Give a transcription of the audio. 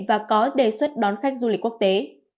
và có đề xuất đón khách du lịch quốc tế